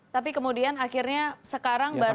tapi kemudian akhirnya sekarang baru